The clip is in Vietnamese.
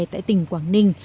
tại tỉnh quảng ninh